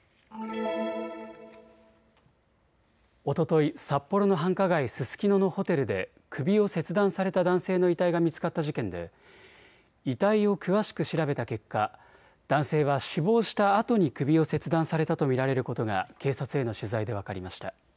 おととい札幌の繁華街、ススキノのホテルで首を切断された男性の遺体が見つかった事件で遺体を詳しく調べた結果、男性は死亡したあとに首を切断されたと見られることが警察への取材で分かりました。